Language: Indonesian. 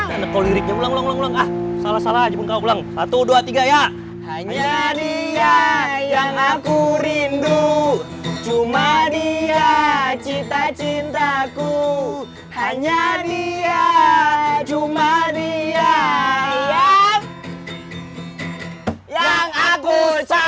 anakko liriknya ulang ulang ah salah salah aja pungkau ulang satu dua tiga ya hanya dia yang aku rindu cuma dia cita cintaku hanya dia cuma dia yang aku sayang